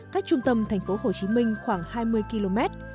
cách trung tâm thành phố hồ chí minh khoảng hai mươi km